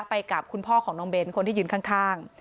ไปกับคุณพ่อของน้องเบ้นคนที่ยืนข้าง